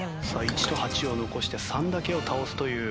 １と８を残して３だけを倒すという。